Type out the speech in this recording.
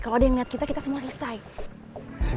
kalau ada yang lihat kita kita semua selesai